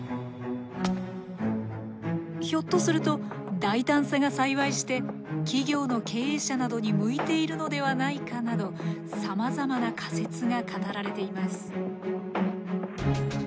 ひょっとすると大胆さが幸いして企業の経営者などに向いているのではないかなどさまざまな仮説が語られています。